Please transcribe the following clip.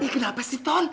kenapa sih ton